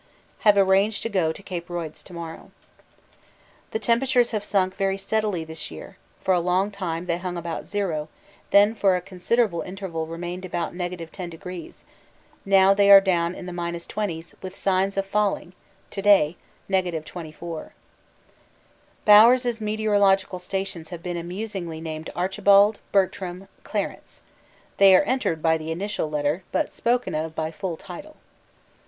Have arranged to go to C. Royds to morrow. The temperatures have sunk very steadily this year; for a long time they hung about zero, then for a considerable interval remained about 10°; now they are down in the minus twenties, with signs of falling (to day 24°). Bowers' meteorological stations have been amusingly named Archibald, Bertram, Clarence they are entered by the initial letter, but spoken of by full title.